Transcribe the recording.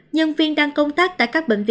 nhân viên đang công tác tại các bệnh viện